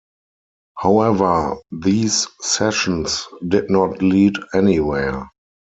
However, these sessions did not lead anywhere.